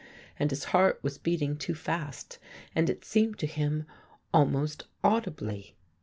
And his heart was beating too fastj and, it seemed to him, almost audibly.